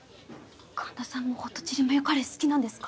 神田さんもホットチリマヨカレー好きなんですか？